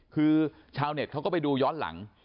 คือชาวเน็ตเขาก็ไปดูย้อนหลัง